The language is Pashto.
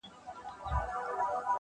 انسان د بادو بنۍ ده.